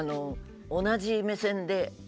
同じ目線で。